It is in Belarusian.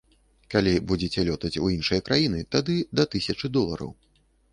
Калі будзеце лётаць у іншыя краіны, тады да тысячы долараў.